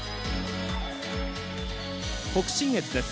北信越です。